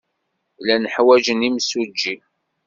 Llan ḥwajen imsujji.